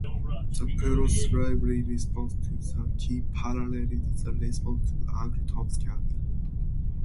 The pro-slavery response to the "Key" paralleled the response to "Uncle Tom's Cabin".